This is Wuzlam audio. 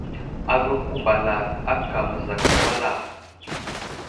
Agakwákw bala aka məzakay wal a ?